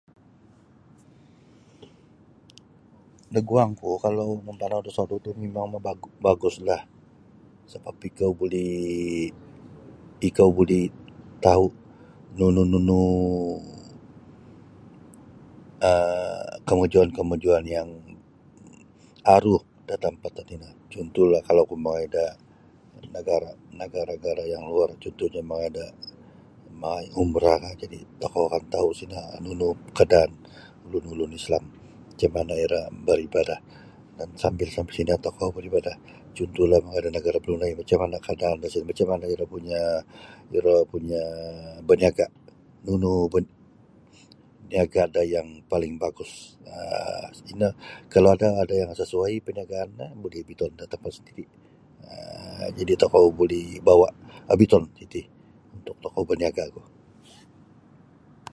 Da guangku kalau mampanau da sodu' ti mimang mobagu baguslah sebap ikou buli ikou buli tau' nunu nunu um kemajuan-kemajuan yang aru da tempat tatino cuntuhlah kalau oku mongoi da nagara- nagara nagara yang luar cuntuhnya mongoi da mongoi umrah jadi tokou akan tau' sino nunu kaadaan ulun-ulun Islam macam mana iro beribadah dan sambil-sambil sino tokou beribadah cuntuhlah mongoi da negara Brunei macam kaadaan da sino macam mana iro punya um baniaga nunu niaga do paling bagus kalau ada yang sesuai perniagaan no buli bawa da nagara sendiri jadi tokou buli bawa obiton siti untuk tokou baniaga' ogu.